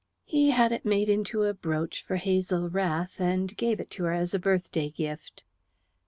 "He had it made into a brooch for Hazel Rath, and gave it to her as a birthday gift."